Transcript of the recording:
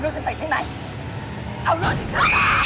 พี่ป๋องครับผมเคยไปที่บ้านผีคลั่งมาแล้ว